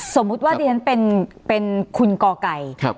สมมุติว่าเดี๋ยวนั้นเป็นคุณก่อก่าย